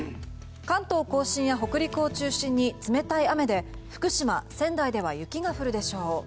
関東・甲信や北陸を中心に冷たい雨で福島、仙台では雪が降るでしょう。